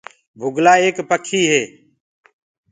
بُگلو ايڪ پکي هي۔